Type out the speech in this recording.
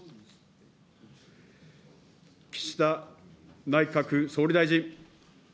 岸田内閣総理大臣。